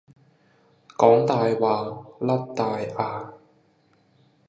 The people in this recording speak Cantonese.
講大話，甩大牙